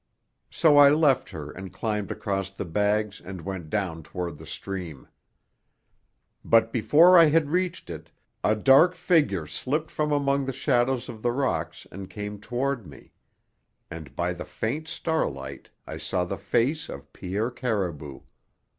So I left her and climbed across the bags and went down toward the stream. But before I had reached it a dark figure slipped from among the shadows of the rocks and came toward me; and by the faint starlight I saw the face of Pierre Caribou!